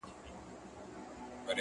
د چا دغه د چا هغه ورته ستايي!.